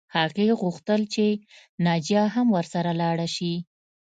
هغې غوښتل چې ناجیه هم ورسره لاړه شي